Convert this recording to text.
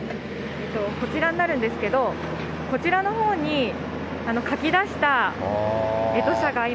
こちらになるんですけど、こちらのほうにかき出した土砂が今、